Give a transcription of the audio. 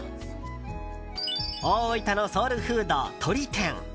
大分のソウルフード、とり天！